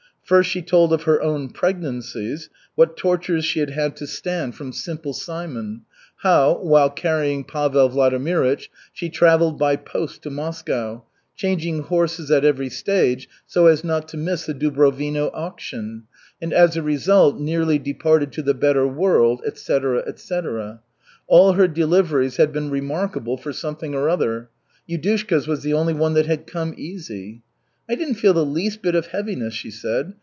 First she told of her own pregnancies, what tortures she had had to stand from Simple Simon; how, while carrying Pavel Vladimirych, she travelled by post to Moscow, changing horses at every stage so as not to miss the Dubrovino auction, and as a result nearly departed to the better world, etc., etc. All her deliveries had been remarkable for something or other. Yudushka's was the only one that had come easy. "I didn't feel the least bit of heaviness," she said.